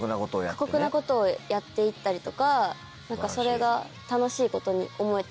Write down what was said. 過酷なことをやって行ったりとかそれが楽しいことに思えて来た。